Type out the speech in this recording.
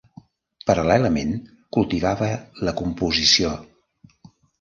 Paral·lelament, cultivava la composició.